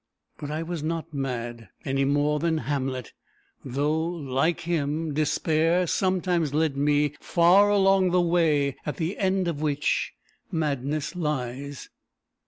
But I was not mad, any more than Hamlet; though, like him, despair sometimes led me far along the way at the end of which madness lies.